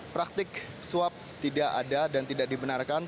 praktik suap tidak ada dan tidak dibenarkan